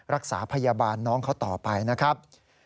รักษาพยาบาลน้องเขาต่อไปนะครับ